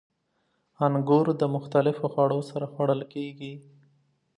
• انګور د مختلفو خوړو سره خوړل کېږي.